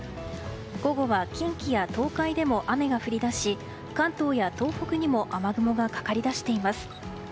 午後は近畿や東海でも雨が降り出し関東や東北にも雨雲がかかり出しています。